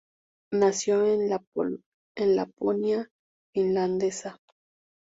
Nació en la Laponia finlandesa.